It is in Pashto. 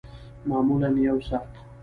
معمولاً یوه ساعت